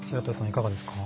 いかがですか？